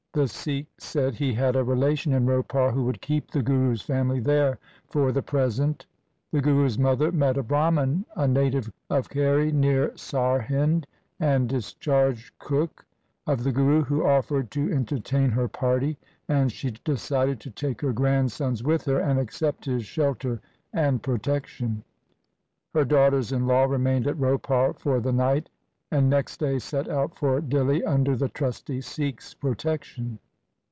The Sikh said he had a relation in Ropar who would keep the Guru's family there for the present The Guru's mother met a Brahman, a native of Kheri near Sarhind, and discharged cook of the Guru, who offered to entertain her party, and she decided to take her grandsons with her and accept his shelter and protection. Her daughters in law remained at Ropar for the night, and next day set out for Dihli under the trusty Sikh's pro tection.